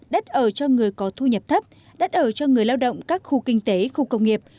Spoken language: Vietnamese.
đất ở cho người có thu nhập thấp đất ở cho người lao động các khu kinh tế khu công nghiệp